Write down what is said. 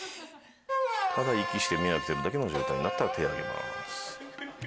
ただ息して目開けてるだけの状態になったら手上げます。